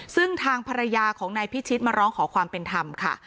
ซึ่งทางภรรยาของนายพิชิตมาร้องขอความเป็นธรรมค่ะ